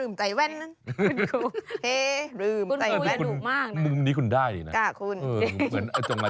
มุมนี้คุณได้เลยนะ